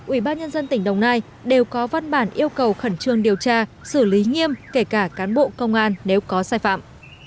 ubnd tỉnh đồng nai đều có văn bản yêu cầu khẩn trương điều tra xử lý nghiêm kể cả cán bộ công an nếu có sai phạm